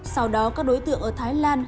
sau đó các đối tượng ở thái lan